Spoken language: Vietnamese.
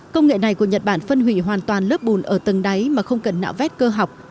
công nghệ này của nhật bản phân hủy hoàn toàn lớp bùn ở tầng đáy mà không cần nạo vét cơ học